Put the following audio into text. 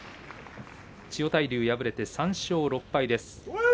千代大龍、敗れて３勝６敗です。